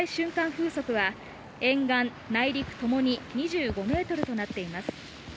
風速は沿岸・内陸ともに２５ｍとなっています。